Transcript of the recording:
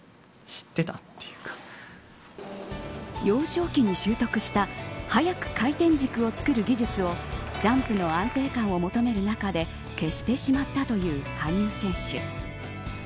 幼少期に習得した早く回転軸をつくる技術をジャンプの安定感を求める中で消してしまったという羽生選手。